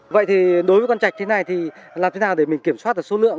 vậy thì đối với con chạch thế này thì làm thế nào để mình kiểm soát được số lượng